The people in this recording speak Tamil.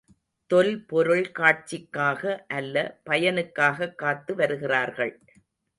தொல்பொருள் காட்சிக்காக அல்ல பயனுக்காகக் காத்து வருகிறார்கள்.